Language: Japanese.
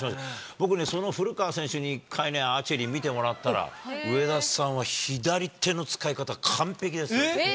僕ね、その古川選手にね、１回ね、アーチェリー、見てもらったら上田さんは左手の使い方、完璧ですって。